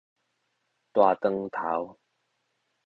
大腸頭